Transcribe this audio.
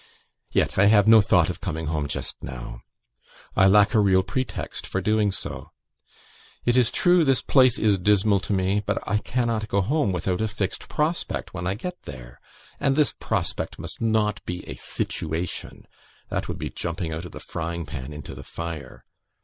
Yet I have no thought of coming home just now. I lack a real pretext for doing so; it is true this place is dismal to me, but I cannot go home without a fixed prospect when I get there; and this prospect must not be a situation; that would be jumping out of the frying pan into the fire.